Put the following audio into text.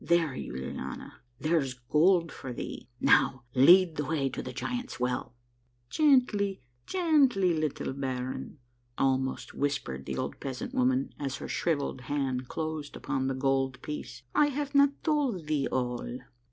There, Yuliana, there's gold for thee ; now lead the way to the Giants' Well." 22 A MARVELLOUS UNDERGROUND JOURNEY " Gently, gently, little baron," almost whispered the old peasant woman, as her shrivelled hand closed upon the gold piece. " I have not told thee all.